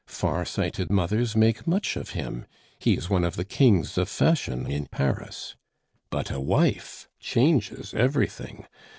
Far sighted mothers make much of him; he is one of the kings of fashion in Paris. "But a wife changes everything.